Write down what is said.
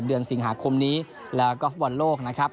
เดือนสิงหาคมนี้แล้วก็ฟุตบอลโลกนะครับ